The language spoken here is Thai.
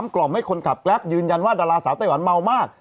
กล่อมให้คนขับแกรปยืนยันว่าดาราสาวไต้หวันเมามาก